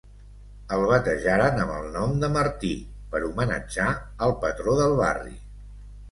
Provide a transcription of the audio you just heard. El batejaren amb el nom de Martí per homenatjar el patró del barri.